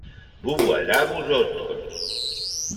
Vous voilà, vous autres.